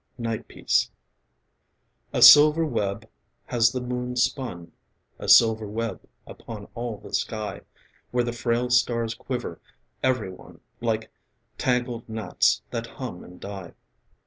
NIGHT PIECE A silver web has the moon spun, A silver web upon all the sky, Where the frail stars quiver, every one Like tangled gnats that hum and die.